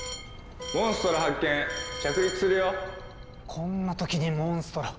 こんな時にモンストロ。